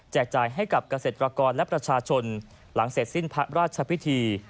จ่ายให้กับเกษตรกรและประชาชนหลังเสร็จสิ้นพระราชพิธี